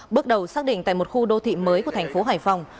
bước đầu xác định tại một khu đô thị mới của thành phố hải phòng